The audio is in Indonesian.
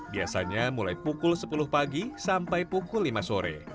biasanya mulai pukul sepuluh pagi sampai pukul lima sore